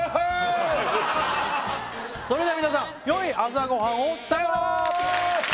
それでは皆さんよい朝ご飯をさようなら